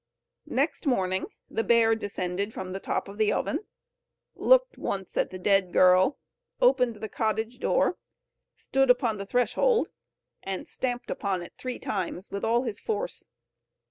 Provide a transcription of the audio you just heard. Next morning the bear descended from the top of the oven, looked once at the dead girl, opened the cottage door, stood upon the threshold, and stamped upon it three times with all his force.